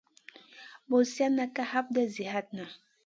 Ɓosionna ka hapta zi hatna.